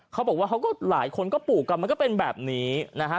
เขาบอกว่าเขาก็หลายคนก็ปลูกกันมันก็เป็นแบบนี้นะฮะ